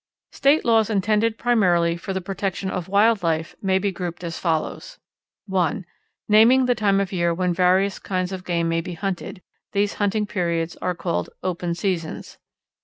State laws intended primarily for the protection of wild life may be grouped as follows: (1) naming the time of the year when various kinds of game may be hunted; these hunting periods are called "open seasons."